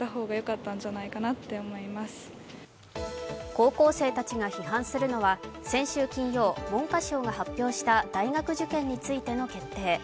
高校生たちが批判するのは先週金曜、文科省が発表した大学受験についての決定。